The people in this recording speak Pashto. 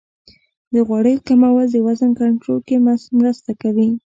د غوړیو کمول د وزن کنټرول کې مرسته کوي.